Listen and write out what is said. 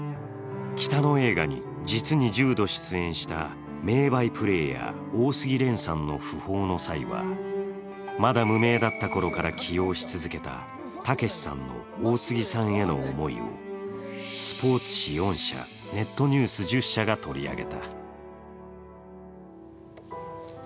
キタノ映画に実に１０度出演した名バイプレーヤー、大杉漣さんの訃報の際はまだ無名だった頃から起用し続けたたけしさんの大杉さんへの思いを、スポーツ紙４紙が、ネットニュース１０社が取り上げた。